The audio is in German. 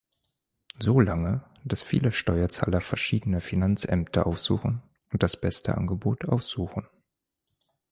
So lange, dass viele Steuerzahler verschiedene Finanzämter aufsuchen und das beste Angebot aussuchen.